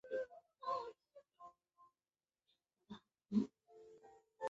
康尼玛拉国家公园的生物中以鸟类的种类最为多样。